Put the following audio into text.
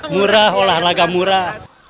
murah olahraga murah